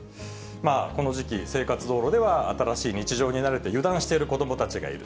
この時期、生活道路では新しい日常に慣れて、油断している子どもたちがいる。